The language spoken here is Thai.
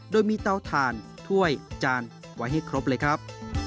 โดยมีเตาถ่านถ้วยจานไว้ให้ครบเลยครับ